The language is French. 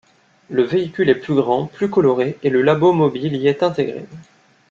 Le véhicule est plus grand, plus coloré et le labo mobile y est intégré.